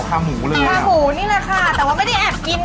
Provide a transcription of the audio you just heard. ใช้เวลามาทอด๕นาทีครับ